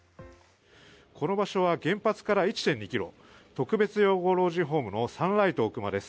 この場所は原発から１．２ｋｍ特別養護老人ホームのサンライトおおくまです。